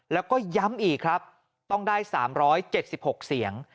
แล้วก็ย้ำอีกครับต้องได้๓๗๖เสียง